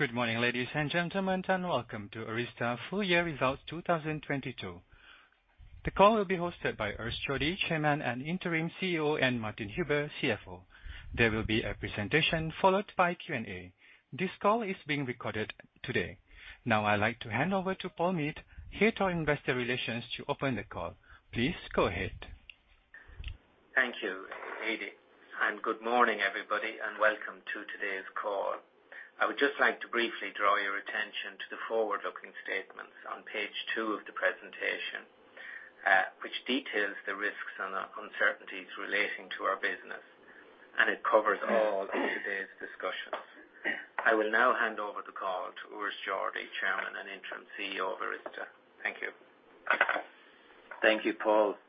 Good morning, ladies and gentlemen, and welcome to ARYZTA Full Year Results 2022. The call will be hosted by Urs Jordi, Chairman and Interim CEO, and Martin Huber, CFO. There will be a presentation followed by Q&A. This call is being recorded today. Now I'd like to hand over to Paul Meade, Head of Investor Relations, to open the call. Please go ahead. Thank you, Hadi, and good morning, everybody, and welcome to today's call. I would just like to briefly draw your attention to the forward-looking statements on page two of the presentation, which details the risks and uncertainties relating to our business, and it covers all of today's discussions. I will now hand over the call to Urs Jordi, Chairman and Interim CEO of ARYZTA. Thank you. Thank you, Paul.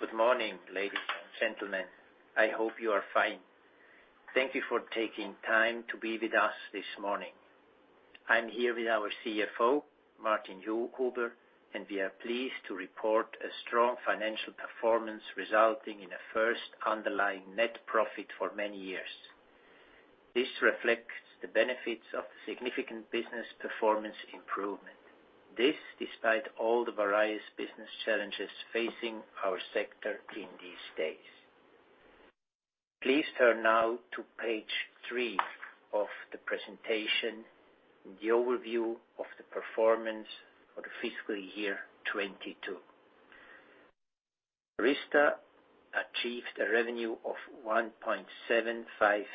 Good morning, ladies and gentlemen. I hope you are fine. Thank you for taking time to be with us this morning. I'm here with our CFO, Martin Huber, and we are pleased to report a strong financial performance resulting in a first underlying net profit for many years. This reflects the benefits of the significant business performance improvement. This despite all the various business challenges facing our sector in these days. Please turn now to page three of the presentation, the overview of the performance for the fiscal year 2022. ARYZTA achieved a revenue of 1.756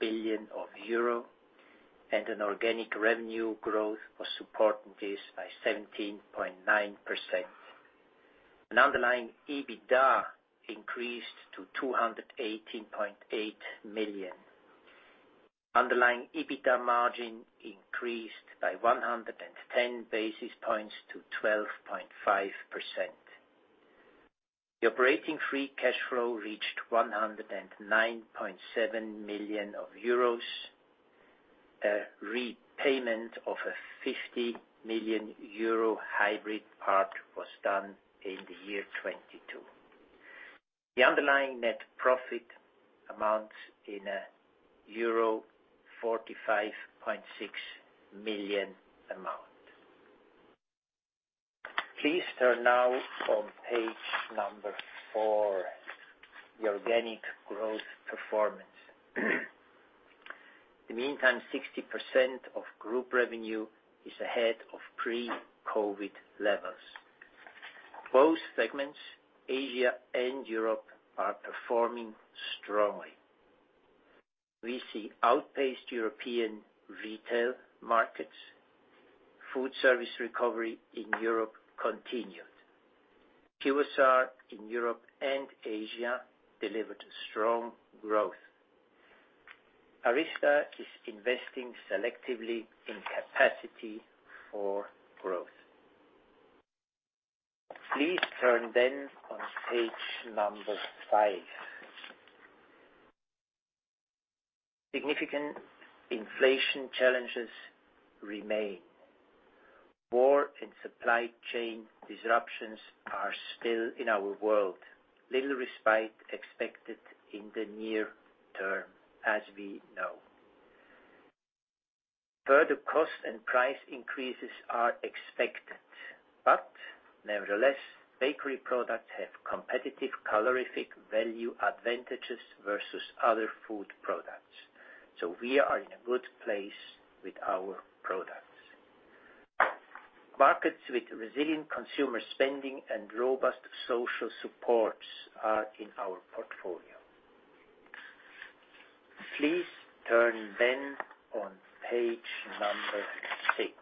billion euro, and an organic revenue growth was supporting this by 17.9%. An underlying EBITDA increased to 218.8 million. Underlying EBITDA margin increased by 110 basis points to 12.5%. The operating free cash flow reached 109.7 million euros. A repayment of a 50 million euro hybrid part was done in the year 2022. The underlying net profit amounts to EUR 45.6 million. Please turn now to page four, the organic growth performance. Meanwhile, 60% of group revenue is ahead of pre-COVID levels. Both segments, Asia and Europe, are performing strongly. We have outpaced European retail markets. Food service recovery in Europe continued. QSR in Europe and Asia delivered strong growth. ARYZTA is investing selectively in capacity for growth. Please turn to page 5. Significant inflation challenges remain. War and supply chain disruptions are still in our world. Little respite expected in the near term as we know. Further cost and price increases are expected, but nevertheless, bakery products have competitive calorific value advantages versus other food products. We are in a good place with our products. Markets with resilient consumer spending and robust social supports are in our portfolio. Please turn to page number six.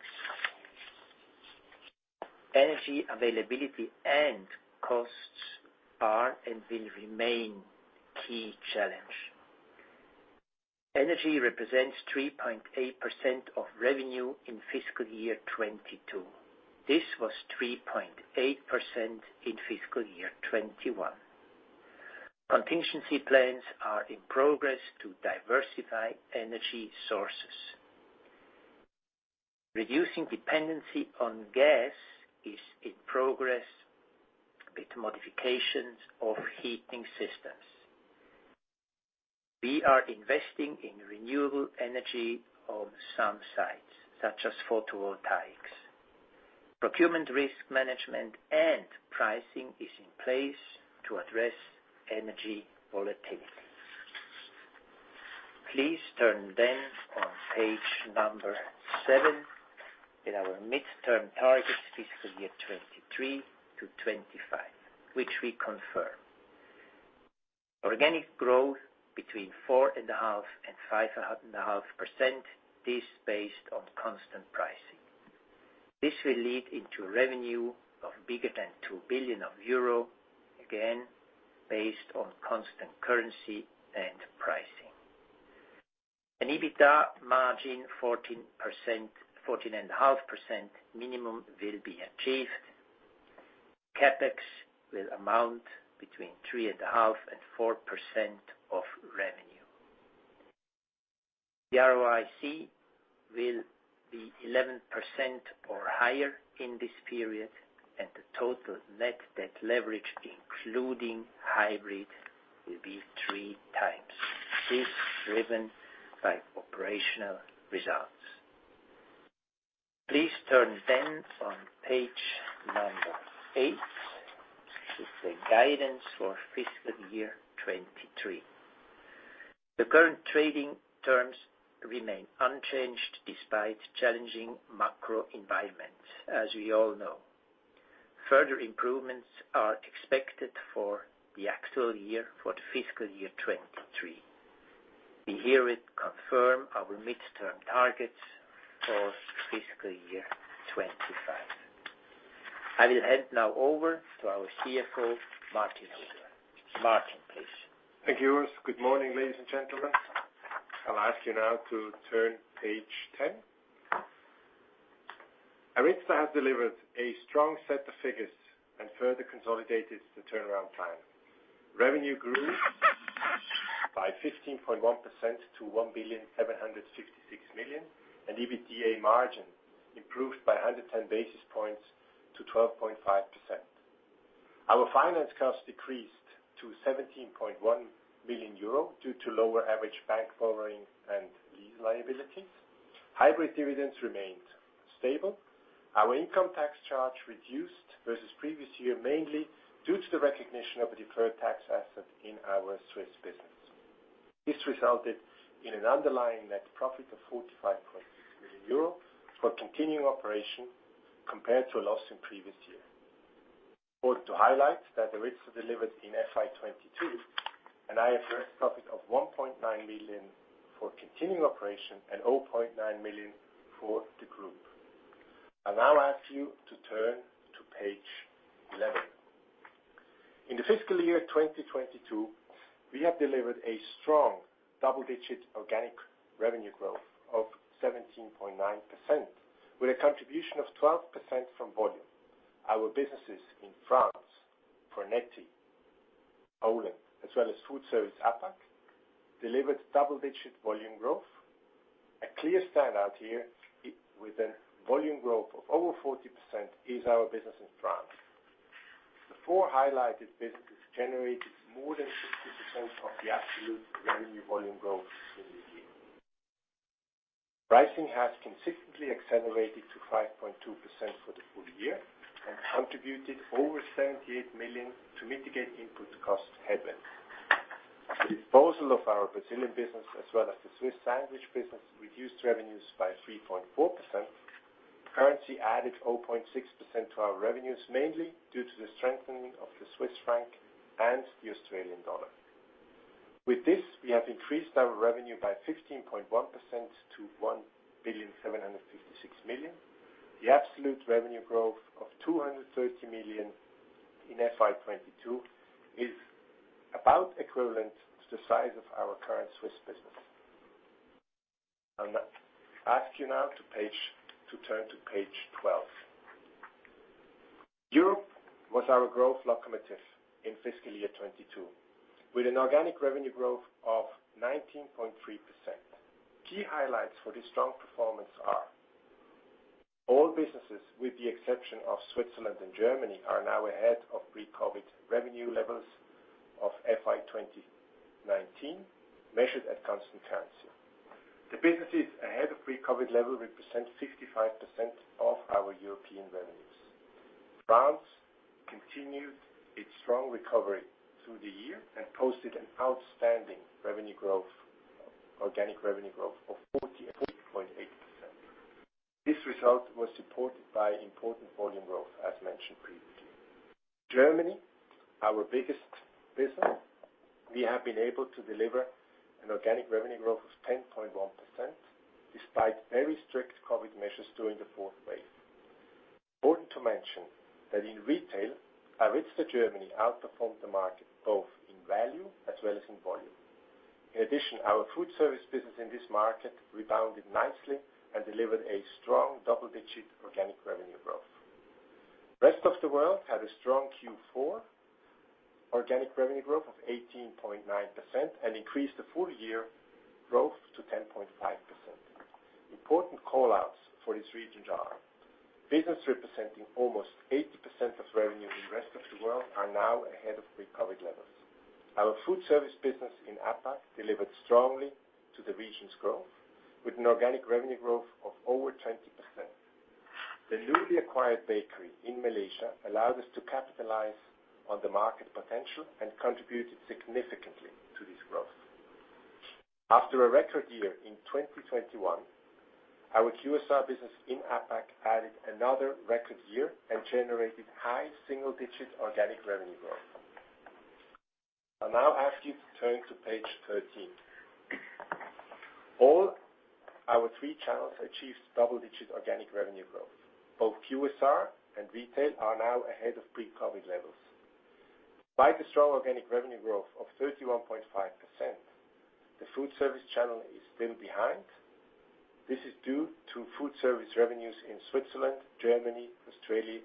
Energy availability and costs are and will remain key challenge. Energy represents 3.8% of revenue in fiscal year 2022. This was 3.8% in fiscal year 2021. Contingency plans are in progress to diversify energy sources. Reducing dependency on gas is in progress with modifications of heating systems. We are investing in renewable energy on some sites, such as photovoltaics. Procurement risk management and pricing is in place to address energy volatility. Please turn to page number seven in our mid-term targets fiscal year 2023 to 2025, which we confirm. Organic growth between 4.5% and 5.5% is based on constant pricing. This will lead into revenue bigger than 2 billion euro, again, based on constant currency and pricing. An EBITDA margin 14%, 14.5% minimum will be achieved. CapEx will amount between 3.5% and 4% of revenue. The ROIC will 11% or higher in this period and the total net debt leverage, including hybrid, will be 3x. This driven by operational results. Please turn to page eight, which is the guidance for fiscal year 2023. The current trading terms remain unchanged despite challenging macro environment as we all know. Further improvements are expected for the actual year for the fiscal year 2023. We herein confirm our midterm targets for fiscal year 2025. I will now hand over to our CFO, Martin Huber. Martin, please. Thank you, Urs. Good morning, ladies and gentlemen. I'll ask you now to turn page 10. ARYZTA has delivered a strong set of figures and further consolidated the turnaround time. Revenue grew by 15.1% to 1,766 million, and EBITDA margin improved by 110 basis points to 12.5%. Our finance costs decreased to 17.1 million euro due to lower average bank borrowing and lease liabilities. Hybrid dividends remained stable. Our income tax charge reduced versus previous year, mainly due to the recognition of a deferred tax asset in our Swiss business. This resulted in an underlying net profit of 45.3 million euro for continuing operations compared to a loss in previous year. Important to highlight that the results are delivered in FY 2022, an IFRS profit of 1.9 million for continuing operation and 0.9 million for the group. I'll now ask you to turn to page 11. In the fiscal year 2022, we have delivered a strong double-digit organic revenue growth of 17.9% with a contribution of 12% from volume. Our businesses in France, Fornetti, Hiestand, as well as food service APAC, delivered double-digit volume growth. A clear standout here with a volume growth of over 40% is our business in France. The four highlighted businesses generated more than 50% of the absolute revenue volume growth in the year. Pricing has consistently accelerated to 5.2% for the full year and contributed over 78 million to mitigate input cost headwinds. The disposal of our Brazilian business as well as the Swiss sandwich business reduced revenues by 3.4%. Currency added 0.6% to our revenues, mainly due to the strengthening of the Swiss franc and the Australian dollar. With this, we have increased our revenue by 15.1% to 1,756 million. The absolute revenue growth of 230 million in FY 2022 is about equivalent to the size of our current Swiss business. I'll ask you now to turn to page 12. Europe was our growth locomotive in fiscal year 2022, with an organic revenue growth of 19.3%. Key highlights for this strong performance are all businesses, with the exception of Switzerland and Germany, are now ahead of pre-COVID revenue levels of FY 2019, measured at constant currency. The businesses ahead of pre-COVID level represent 65% of our European revenues. France continued its strong recovery through the year and posted an outstanding revenue growth, organic revenue growth of 48.8%. This result was supported by important volume growth as mentioned previously. Germany, our biggest business, we have been able to deliver an organic revenue growth of 10.1% despite very strict COVID measures during the fourth wave. Important to mention that in retail, ARYZTA Germany outperformed the market both in value as well as in volume. In addition, our food service business in this market rebounded nicely and delivered a strong double-digit organic revenue growth. Rest of the world had a strong Q4 organic revenue growth of 18.9% and increased the full year growth to 10.5%. Important call-outs for this region are businesses representing almost 80% of revenue in rest of the world are now ahead of pre-COVID levels. Our food service business in APAC delivered strongly to the region's growth with an organic revenue growth of over 20%. The newly acquired bakery in Malaysia allowed us to capitalize on the market potential and contributed significantly to this growth. After a record year in 2021, our QSR business in APAC added another record year and generated high single-digit organic revenue growth. I'll now ask you to turn to page 13. All our three channels achieved double-digit organic revenue growth. Both QSR and retail are now ahead of pre-COVID levels. Despite the strong organic revenue growth of 31.5%, the food service channel is still behind. This is due to food service revenues in Switzerland, Germany, Australia,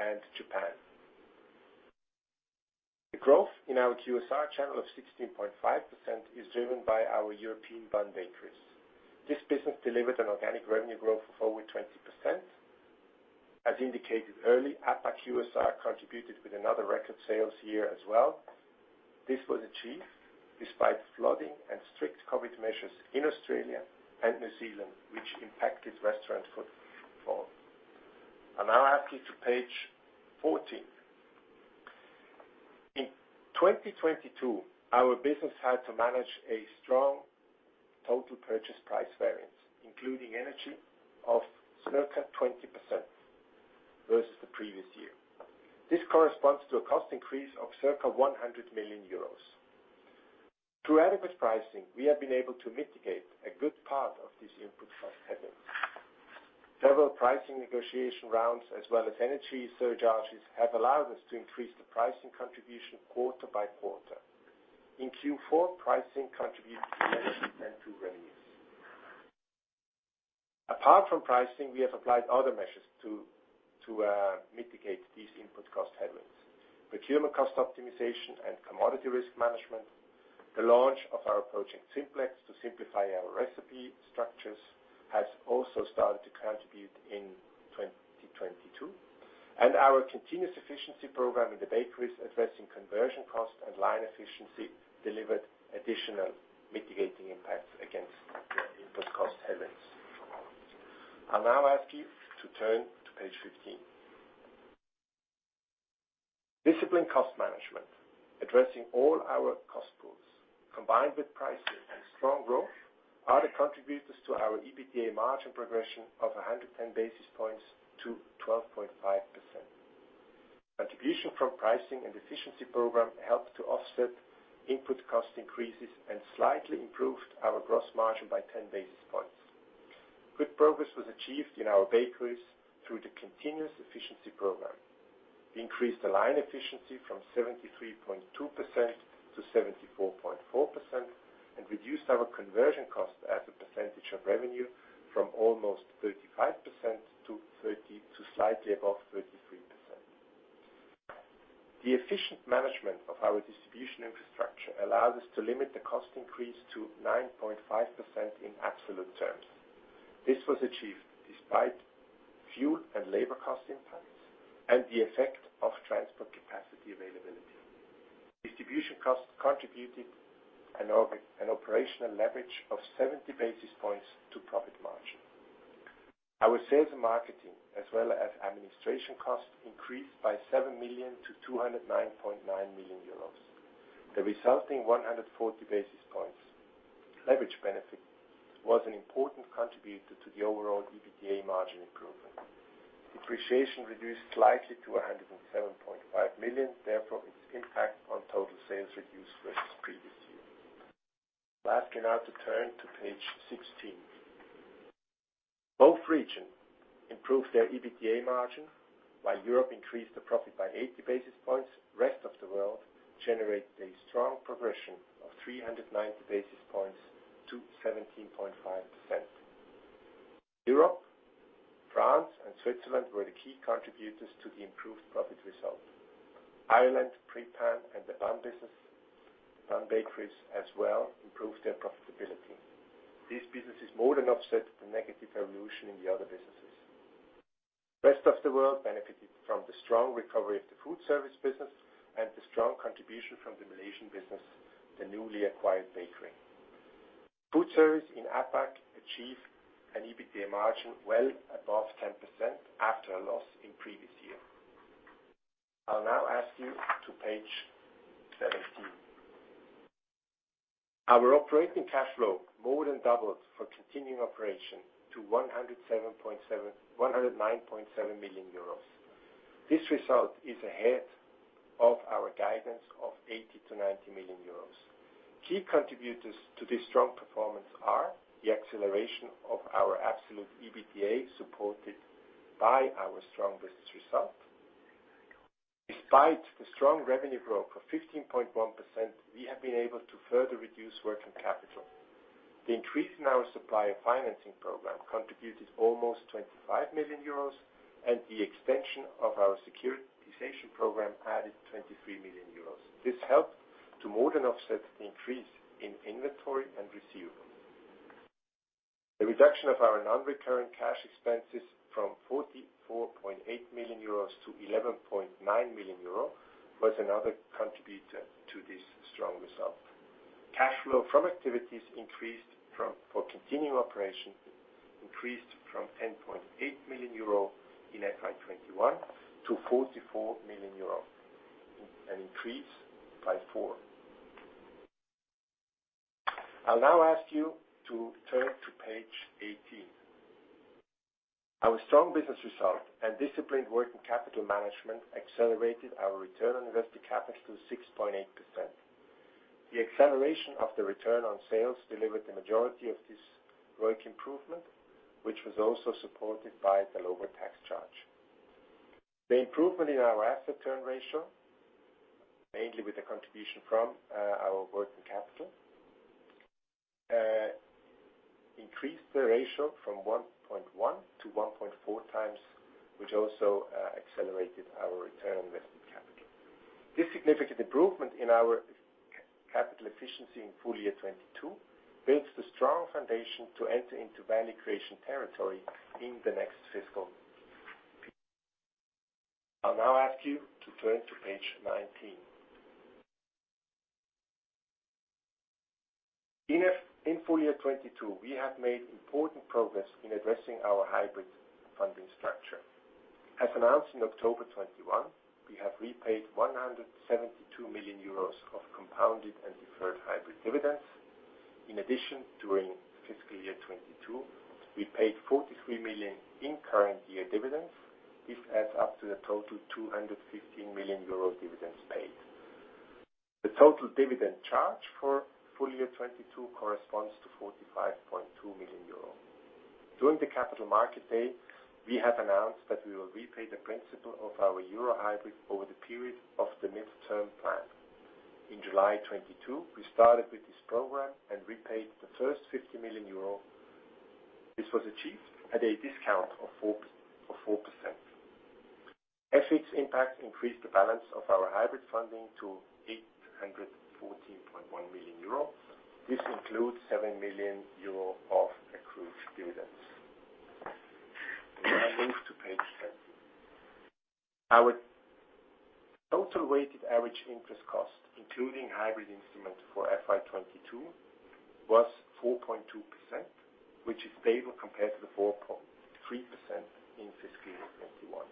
and Japan. The growth in our QSR channel of 16.5% is driven by our European bun bakeries. This business delivered an organic revenue growth of over 20%. As indicated earlier, APAC QSR contributed with another record sales year as well. This was achieved despite flooding and strict COVID measures in Australia and New Zealand, which impacted restaurant footfall. I'll now ask you to page fourteen. In 2022, our business had to manage a strong total purchase price variance, including energy of circa 20% versus the previous year. This corresponds to a cost increase of circa 100 million euros. Through adequate pricing, we have been able to mitigate a good part of this input cost inflation. Several pricing negotiation rounds as well as energy surcharges have allowed us to increase the pricing contribution quarter by quarter. In Q4, pricing contributed to revenues. Apart from pricing, we have applied other measures to mitigate these input cost headwinds. Procurement cost optimization and commodity risk management. The launch of our project Simplex to simplify our recipe structures has also started to contribute in 2022, and our continuous efficiency program in the bakeries addressing conversion cost and line efficiency delivered additional mitigating impacts against input cost headwinds. I'll now ask you to turn to page 15. Disciplined cost management, addressing all our cost pools, combined with pricing and strong growth are the contributors to our EBITDA margin progression of 110 basis points to 12.5%. Contribution from pricing and efficiency program helped to offset input cost increases and slightly improved our gross margin by 10 basis points. Good progress was achieved in our bakeries through the continuous efficiency program. Increased the line efficiency from 73.2% to 74.4% and reduced our conversion cost as a percentage of revenue from almost 35% to slightly above 33%. The efficient management of our distribution infrastructure allowed us to limit the cost increase to 9.5% in absolute terms. This was achieved despite fuel and labor cost impacts and the effect of transport capacity availability. Distribution costs contributed an operational leverage of 70 basis points to profit margin. Our sales and marketing as well as administration costs increased by 7 million to 209.9 million euros. The resulting 140 basis points leverage benefit was an important contributor to the overall EBITDA margin improvement. Depreciation reduced slightly to 107.5 million, therefore, its impact on total sales reduced versus previous year. I'll ask you now to turn to page 16. Both regions improved their EBITDA margin while Europe increased the profit by 80 basis points. Rest of the world generated a strong progression of 390 basis points to 17.5%. Europe, France and Switzerland were the key contributors to the improved profit result. Ireland, Pré Pain and the bun business, bun bakeries as well improved their profitability. These businesses more than offset the negative evolution in the other businesses. Rest of the world benefited from the strong recovery of the food service business and the strong contribution from the Malaysian business, the newly acquired bakery. Food service in APAC achieved an EBITDA margin well above 10% after a loss in previous year. I'll now ask you to page 17. Our operating cash flow more than doubled for continuing operation to 109.7 million euros. This result is ahead of our guidance of 80-90 million euros. Key contributors to this strong performance are the acceleration of our absolute EBITDA, supported by our strong business result. Despite the strong revenue growth of 15.1%, we have been able to further reduce working capital. The increase in our supplier financing program contributed almost 25 million euros, and the extension of our securitization program added 23 million euros. This helped to more than offset the increase in inventory and receivables. The reduction of our non-recurring cash expenses from 44.8 - 11.9 million was another contributor to this strong result. Cash flow from activities, for continuing operations, increased from 10.8 million euro in FY 2021 to 44 million euro, an increase by four. I'll now ask you to turn to page 18. Our strong business result and disciplined working capital management accelerated our return on invested capital to 6.8%. The acceleration of the return on sales delivered the majority of this ROIC improvement, which was also supported by the lower tax charge. The improvement in our asset turn ratio, mainly with the contribution from our working capital, increased the ratio from 1.1 to 1.4 times, which also accelerated our return on invested capital. This significant improvement in our capital efficiency in full year 2022 builds the strong foundation to enter into value creation territory in the next fiscal. I'll now ask you to turn to page 19. In full year 2022, we have made important progress in addressing our hybrid funding structure. As announced in October 2021, we have repaid 172 million euros of compounded and deferred hybrid dividends. In addition, during fiscal year 2022, we paid 43 million in current year dividends. This adds up to the total 215 million euro dividends paid. The total dividend charge for full year 2022 corresponds to 45.2 million euro. During the Capital Markets Day, we have announced that we will repay the principal of our euro hybrid over the period of the midterm plan. In July 2022, we started with this program and repaid the first 50 million euro. This was achieved at a discount of 4%. FX impact increased the balance of our hybrid funding to 814.1 million euro. This includes 7 million euro of accrued dividends. We now move to page 20. Our total weighted average interest cost, including hybrid instrument for FY 2022, was 4.2%, which is stable compared to the 4.3% in fiscal year 2021.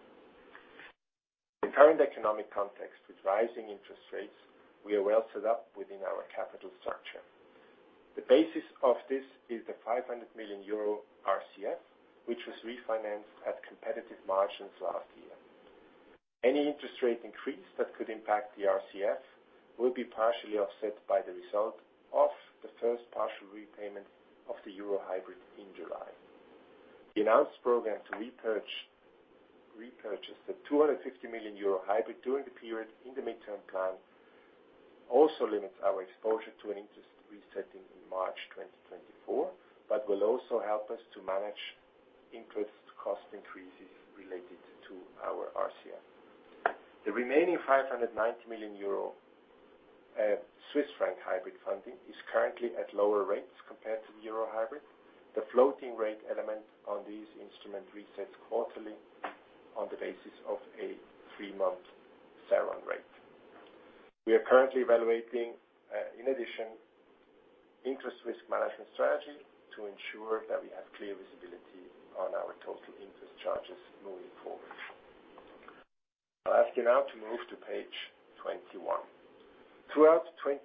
The current economic context with rising interest rates. We are well set up within our capital structure. The basis of this is the 500 million euro RCF, which was refinanced at competitive margins last year. Any interest rate increase that could impact the RCF will be partially offset by the result of the first partial repayment of the EUR hybrid in July. The announced program to repurchase the 250 million euro hybrid during the period in the midterm plan also limits our exposure to an interest resetting in March 2024, but will also help us to manage interest cost increases related to our RCF. The remaining 590 million Swiss franc hybrid funding is currently at lower rates compared to the euro hybrid. The floating rate element on these instruments resets quarterly on the basis of a three-month SARON rate. We are currently evaluating an interest rate risk management strategy to ensure that we have clear visibility on our total interest charges moving forward. I'll ask you now to move to page 21. Throughout 20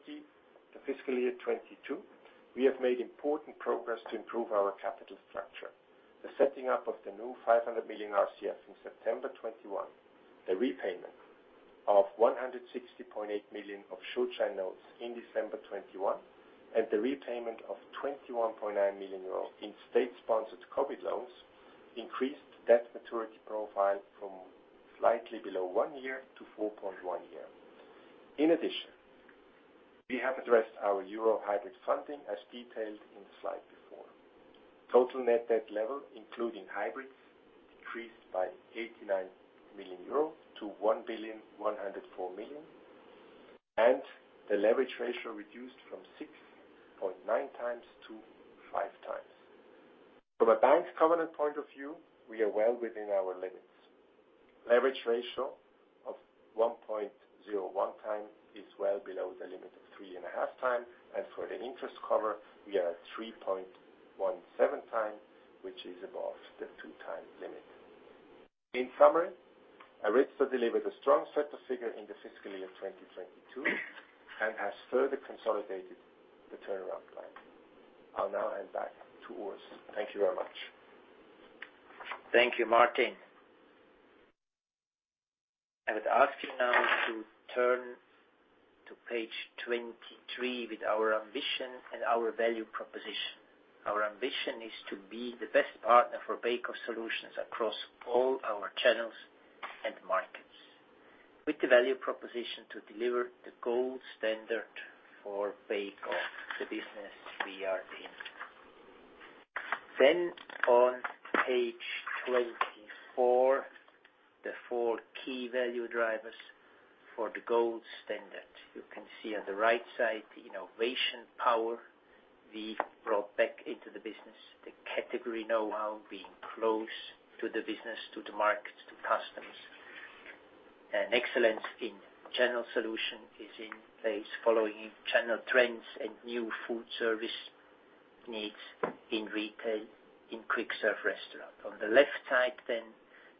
Fiscal year 2022, we have made important progress to improve our capital structure. The setting up of the new 500 million RCF in September 2021, the repayment of 160.8 million of short-term notes in December 2021, and the repayment of 21.9 million euro in state-sponsored COVID loans increased debt maturity profile from slightly below one year to 4.1 years. In addition, we have addressed our euro hybrid funding as detailed in the slide before. Total net debt level, including hybrids, decreased by 89 million euro to 1.104 billion, and the leverage ratio reduced from 6.9x to 5x. From a bank covenant point of view, we are well within our limits. Leverage ratio of 1.01 times is well below the limit of 3.5 times, and for the interest cover, we are at 3.17 times, which is above the two times limit. In summary, ARYZTA delivered a strong set of figures in the fiscal year 2022 and has further consolidated the turnaround plan. I'll now hand back to Urs. Thank you very much. Thank you, Martin. I would ask you now to turn to page 23 with our ambition and our value proposition. Our ambition is to be the best partner for bake-off solutions across all our channels and markets, with the value proposition to deliver the gold standard for bake-off, the business we are in. On page 24, the four key value drivers for the gold standard. You can see on the right side the innovation power we brought back into the business, the category know-how being close to the business, to the market, to customers. Excellence in channel solution is in place following channel trends and new food service needs in retail, in quick-service restaurant. On the left side,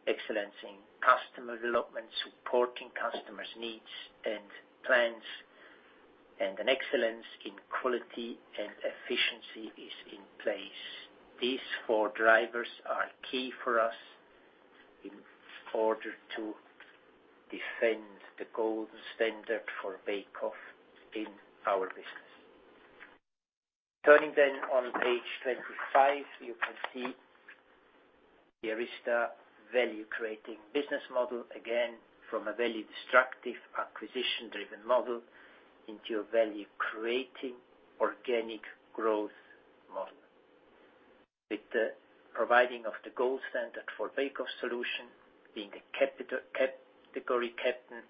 excellence in customer development, supporting customers' needs and plans, and an excellence in quality and efficiency is in place. These four drivers are key for us in order to defend the gold standard for bake-off in our business. Turning on page 25, you can see the ARYZTA value creating business model, again from a value destructive acquisition driven model into a value creating organic growth model. With the providing of the gold standard for bake-off solution being a capital category captain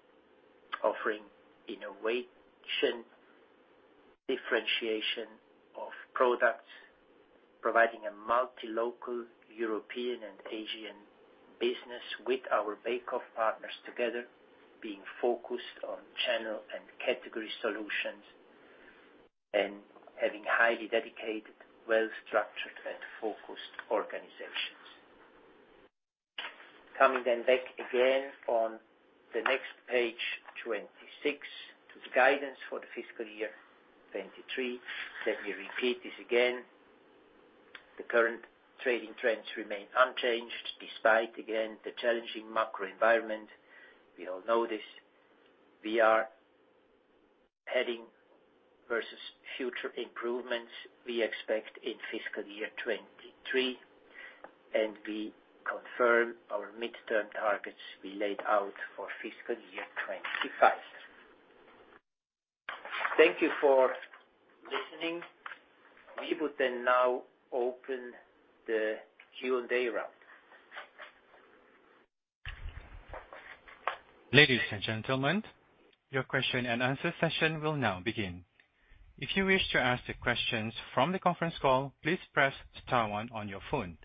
offering innovation, differentiation of products, providing a multi local European and Asian business with our bake-off partners together being focused on channel and category solutions and having highly dedicated, well-structured and focused organizations. Coming back again on the next page 26 to the guidance for the fiscal year 2023. Let me repeat this again. The current trading trends remain unchanged despite again the challenging macro environment. We all know this. We are heading towards future improvements we expect in fiscal year 2023, and we confirm our midterm targets we laid out for fiscal year 2025. Thank you for listening. We would then now open the Q&A round. Ladies and gentlemen, your question and answer session will now begin. If you wish to ask the questions from the conference call, please press star one on your phone.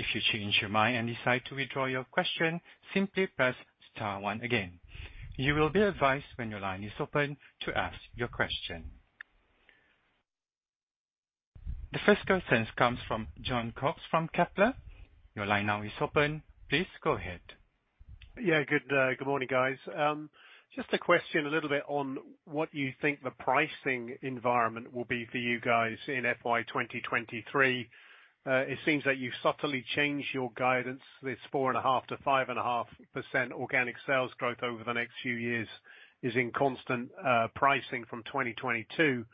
If you change your mind and decide to withdraw your question, simply press star one again. You will be advised when your line is open to ask your question. The first question comes from Jon Cox from Kepler Cheuvreux. Your line now is open. Please go ahead. Good morning, guys. Just a question a little bit on what you think the pricing environment will be for you guys in FY 2023. It seems that you subtly changed your guidance. This 4.5%-5.5% organic sales growth over the next few years is in constant pricing from 2022.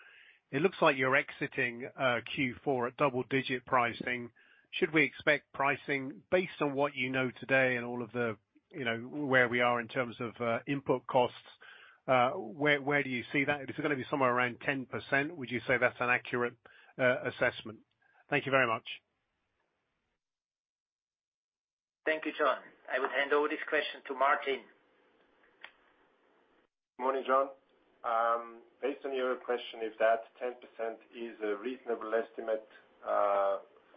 It looks like you're exiting Q4 at double-digit pricing. Should we expect pricing based on what you know today and all of the, you know, where we are in terms of input costs, where do you see that? Is it gonna be somewhere around 10%? Would you say that's an accurate assessment? Thank you very much. Thank you, Jon. I would hand over this question to Martin. Morning, Jon. Based on your question, if that 10% is a reasonable estimate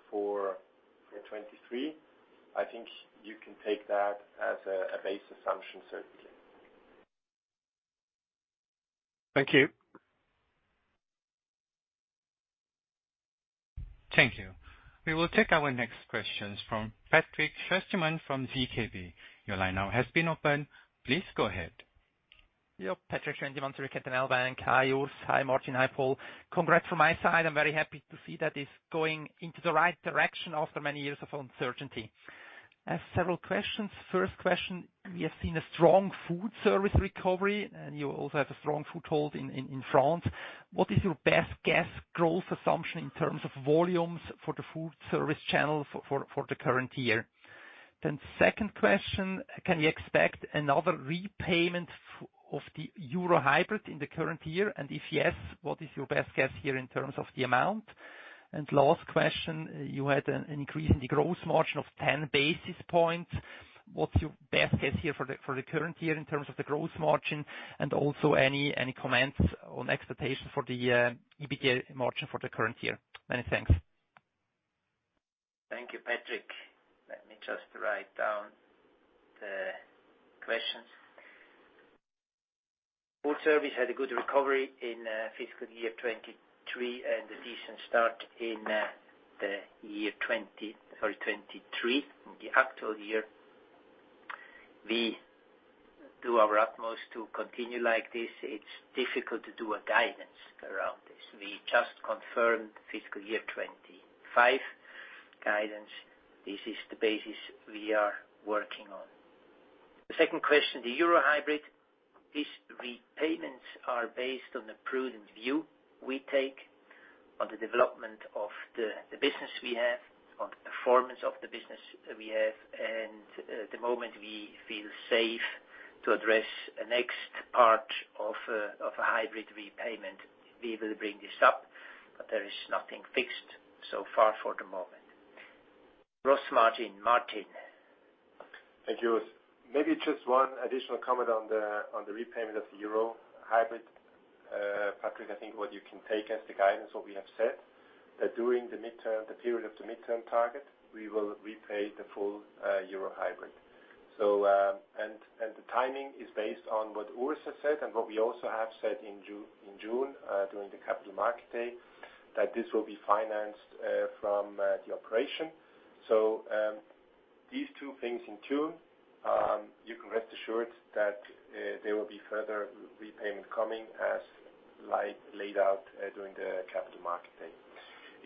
for 2023, I think you can take that as a base assumption, certainly. Thank you. Thank you. We will take our next questions from Patrik Schwendimann from ZKB. Your line now has been opened. Please go ahead. Yo. Patrik Schwendimann, Zürcher Kantonalbank. Hi, Urs. Hi, Martin. Hi, Paul. Congrats from my side. I'm very happy to see that it's going into the right direction after many years of uncertainty. I have several questions. First question, we have seen a strong food service recovery and you also have a strong foothold in France. What is your best guess growth assumption in terms of volumes for the food service channel for the current year? Second question, can you expect another repayment of the euro hybrid in the current year? And if yes, what is your best guess here in terms of the amount? Last question, you had an increase in the gross margin of 10 basis points. What's your best guess here for the current year in terms of the gross margin? Also any comments on expectations for the EBITDA margin for the current year? Many thanks. Thank you, Patrik. Let me just write down the questions. Food service had a good recovery in fiscal year 2023 and a decent start in the year 2023, in the actual year. We do our utmost to continue like this. It's difficult to do a guidance around this. We just confirmed fiscal year 2025 guidance. This is the basis we are working on. The second question, the euro hybrid. These repayments are based on the prudent view we take on the development of the business we have, on the performance of the business we have. At the moment we feel safe to address the next part of a hybrid repayment. We will bring this up, but there is nothing fixed so far for the moment. Gross margin, Martin. Thank you. Maybe just one additional comment on the repayment of the euro hybrid. Patrik, I think what you can take as the guidance what we have said, that during the midterm, the period of the midterm target, we will repay the full euro hybrid. The timing is based on what Urs has said and what we also have said in June during the Capital Markets Day, that this will be financed from the operation. These two things in June, you can rest assured that there will be further repayment coming as laid out during the Capital Markets Day.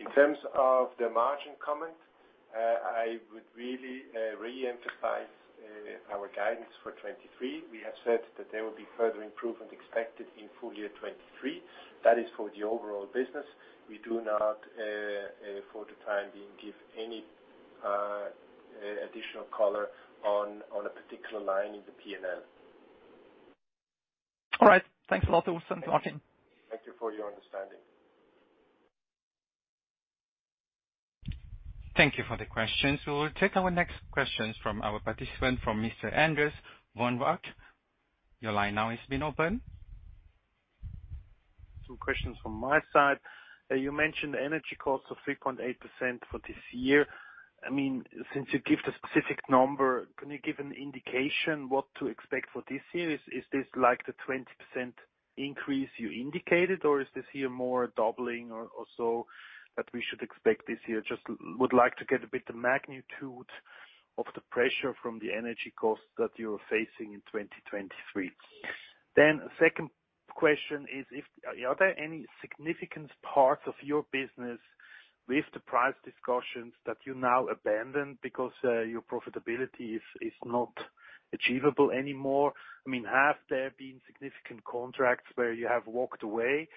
In terms of the margin comment, I would really re-emphasize Our guidance for 2023. We have said that there will be further improvement expected in full year 2023. That is for the overall business. We do not, for the time being, give any additional color on a particular line in the P&L. All right. Thanks a lot, Urs. Talk to you soon. Thank you for your understanding. Thank you for the questions. We will take our next questions from our participant, from Mr. Andreas von Arx. Your line now has been open. Some questions from my side. You mentioned energy costs of 3.8% for this year. I mean, since you give the specific number, can you give an indication what to expect for this year? Is this like the 20% increase you indicated, or is this year more doubling or also that we should expect this year? Just would like to get a bit of magnitude of the pressure from the energy costs that you're facing in 2023. Second question is, are there any significant parts of your business with the price discussions that you now abandoned because your profitability is not achievable anymore? I mean, have there been significant contracts where you have walked away?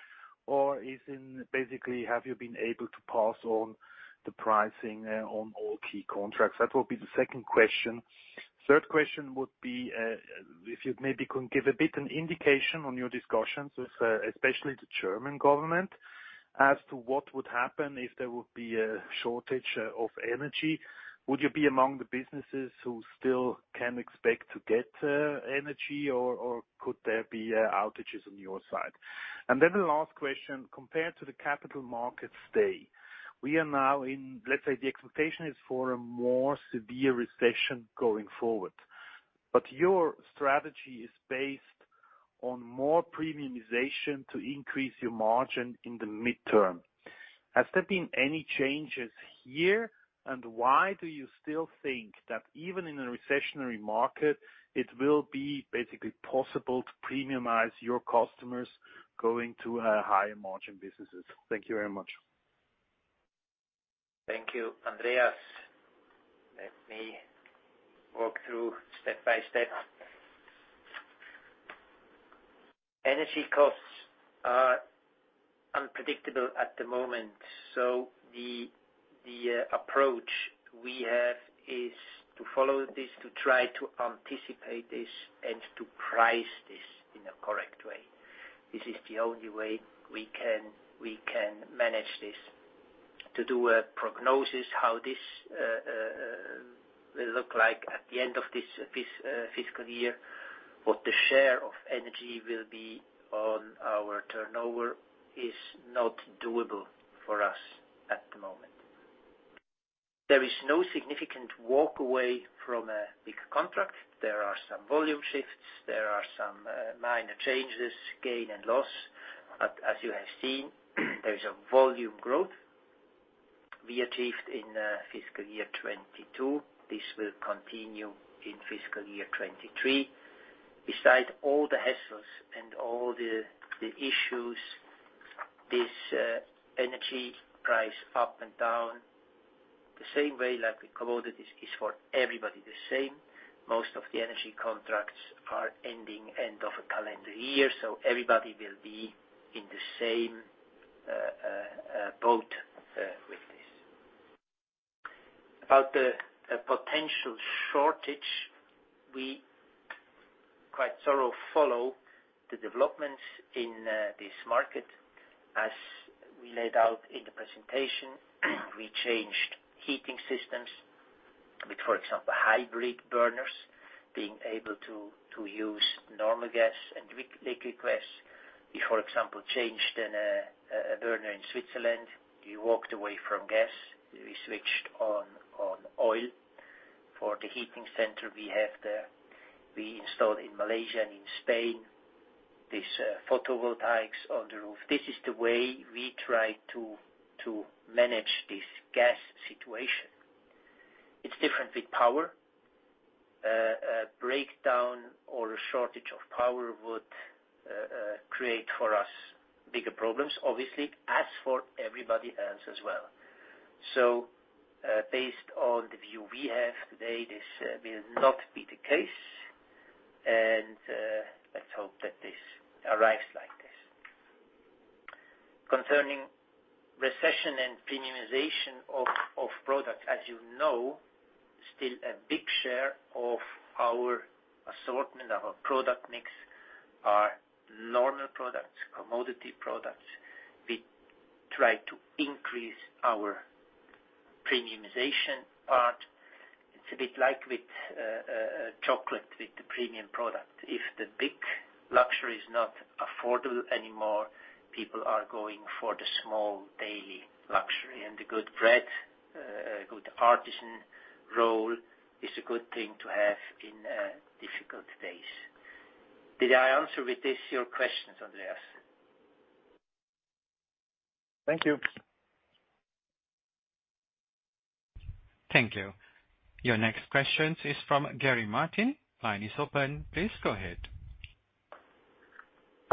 Or basically, have you been able to pass on the pricing on all key contracts? That will be the second question. Third question would be, if you maybe can give a bit an indication on your discussions with, especially the German government as to what would happen if there would be a shortage of energy. Would you be among the businesses who still can expect to get energy, or could there be outages on your side? The last question, compared to the Capital Markets Day, we are now in—Let's say the expectation is for a more severe recession going forward. Your strategy is based on more premiumization to increase your margin in the midterm. Has there been any changes here? Why do you still think that even in a recessionary market, it will be basically possible to premiumize your customers going to higher margin businesses? Thank you very much. Thank you, Andreas. Let me walk through step by step. Energy costs are unpredictable at the moment, so the approach we have is to follow this, to try to anticipate this and to price this in a correct way. This is the only way we can manage this. To do a prognosis, how this will look like at the end of this fiscal year, what the share of energy will be on our turnover is not doable for us at the moment. There is no significant walk away from a big contract. There are some volume shifts. There are some minor changes, gain and loss. As you have seen, there is a volume growth we achieved in fiscal year 2022. This will continue in fiscal year 2023. Besides all the hassles and all the issues, energy price up and down, the same way like the commodities is for everybody the same. Most of the energy contracts are ending end of a calendar year, so everybody will be in the same boat with this. About the potential shortage, we quite thoroughly follow the developments in this market. As we laid out in the presentation, we changed heating systems with, for example, hybrid burners being able to use normal gas and liquid gas. We, for example, changed a burner in Switzerland. We walked away from gas. We switched to oil for the heating center we have there. We installed in Malaysia and in Spain these photovoltaics on the roof. This is the way we try to manage this gas situation. It's different with power. A breakdown or a shortage of power would create for us bigger problems, obviously, as for everybody else as well. Based on the view we have today, this will not be the case. Let's hope that this arrives like this. Concerning recession and premiumization of product, as you know, still a big share of our assortment, our product mix are normal products, commodity products. We try to increase our premiumization part. It's a bit like with chocolate, with the premium product. If the big luxury is not affordable anymore, people are going for the small daily luxury. The good bread, a good artisan roll is a good thing to have in difficult days. Did I answer with this your questions, Andreas? Thank you. Thank you. Your next question is from Gary Martin. Line is open. Please go ahead.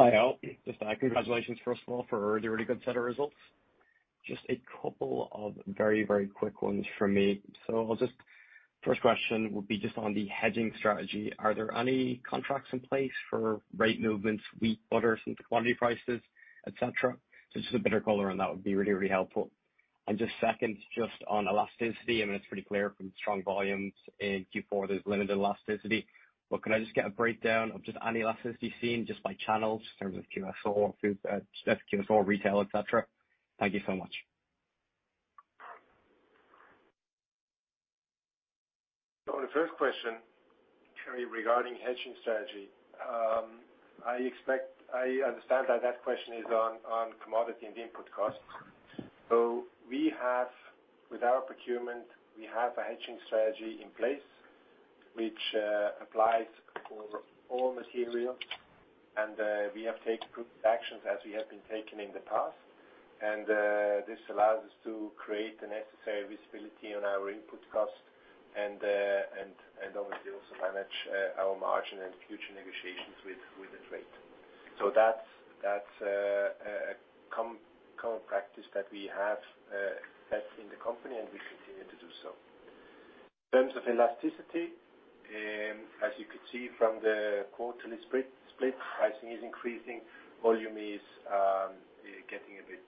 Hi, all. Just congratulations first of all for a really, really good set of results. Just a couple of very, very quick ones from me. First question will be just on the hedging strategy. Are there any contracts in place for rate movements, wheat, butter, since commodity prices, et cetera? Just a better color on that would be really, really helpful. Just second, just on elasticity, I mean, it's pretty clear from strong volumes in Q4. There's limited elasticity. Could I just get a breakdown of just any elasticity seen just by channels in terms of QSR, food, QSR, retail, et cetera? Thank you so much. The first question regarding hedging strategy, I understand that that question is on commodity and the input costs. We have, with our procurement, a hedging strategy in place which applies for all material. We have taken actions as we have been taking in the past. This allows us to create the necessary visibility on our input cost and obviously also manage our margin and future negotiations with the trade. That's a common practice that we have set in the company, and we continue to do so. In terms of elasticity, as you could see from the quarterly profit split, pricing is increasing, volume is getting a bit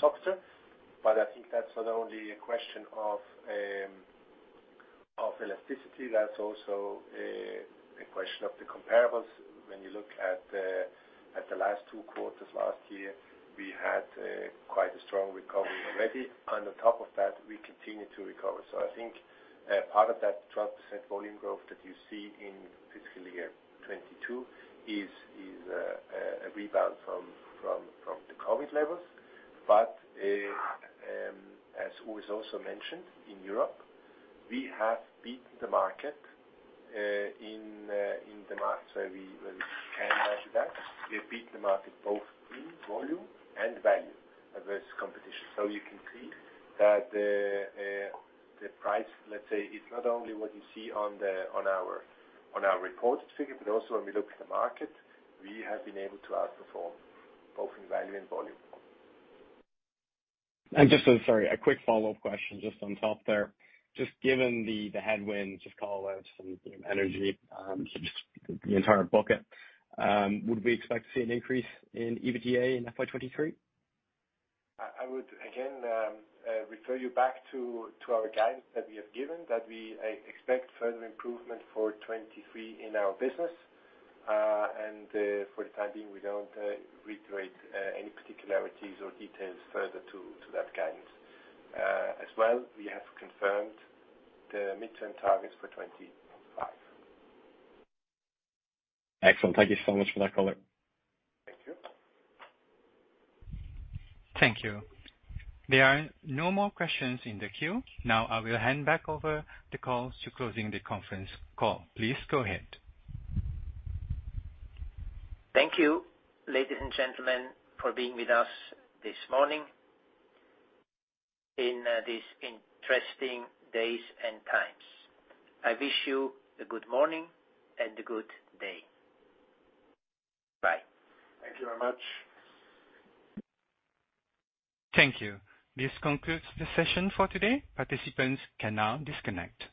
softer. I think that's not only a question of elasticity, that's also a question of the comparables. When you look at the last two quarters last year, we had quite a strong recovery already. On top of that, we continue to recover. I think part of that 12% volume growth that you see in fiscal year 2022 is a rebound from the COVID levels. As Urs also mentioned, in Europe, we have beaten the market in the market where we can measure that. We have beaten the market both in volume and value versus competition. You can see that the price, let's say, is not only what you see on our reported figure, but also when we look at the market, we have been able to outperform both in value and volume. Sorry, a quick follow-up question just on top there. Just given the headwinds, just call it some, you know, energy, just the entire bucket, would we expect to see an increase in EBITDA in FY 2023? I would again refer you back to our guidance that we have given, that we expect further improvement for 2023 in our business. For the time being, we don't reiterate any particularities or details further to that guidance. As well, we have confirmed the midterm targets for 2025. Excellent. Thank you so much for that color. Thank you. Thank you. There are no more questions in the queue. Now I will hand back over the call to closing the conference call. Please go ahead. Thank you, ladies and gentlemen, for being with us this morning in these interesting days and times. I wish you a good morning and a good day. Bye. Thank you very much. Thank you. This concludes the session for today. Participants can now disconnect.